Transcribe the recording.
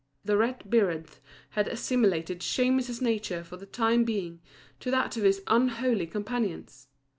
The red birredh had assimilated Shemus's nature for the time being to that of his unholy companions.